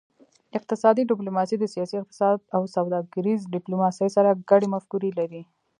اقتصادي ډیپلوماسي د سیاسي اقتصاد او سوداګریزې ډیپلوماسي سره ګډې مفکورې لري